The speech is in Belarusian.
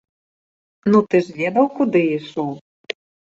Ну, ты ж ведаў, куды ішоў!